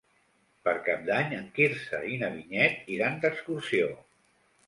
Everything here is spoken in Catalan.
Per Cap d'Any en Quirze i na Vinyet iran d'excursió.